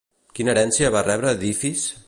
Quina herència va rebre d'Ífis?